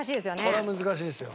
これ難しいですよ。